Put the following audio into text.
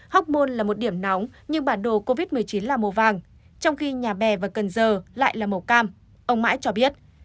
hóc môn là một điểm nóng nhưng bản đồ covid một mươi chín là màu vàng trong khi nhà bè và cần giờ lại là màu cam ông mãi cho biết